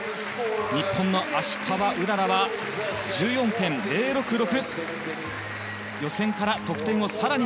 日本の芦川うららは１４．０６６。